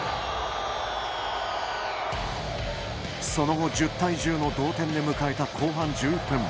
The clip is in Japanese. その後、１０対１０の同点で迎えた後半１１分。